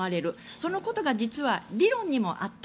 そのことが実は理論にもあった。